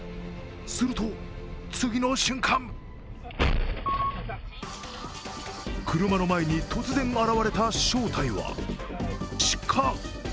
すると、次の瞬間車の前に突然現れた正体は鹿。